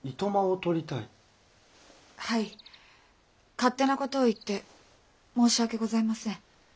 勝手なことを言って申し訳ございません。